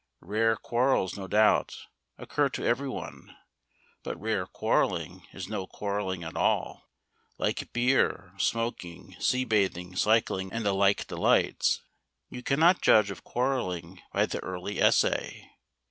Rare quarrels, no doubt, occur to everyone, but rare quarrelling is no quarrelling at all. Like beer, smoking, sea bathing, cycling, and the like delights, you cannot judge of quarrelling by the early essay.